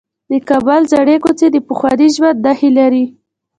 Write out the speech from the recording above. د کابل زړې کوڅې د پخواني ژوند نښې لري.